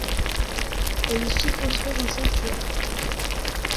Elle y fit construire un sanctuaire.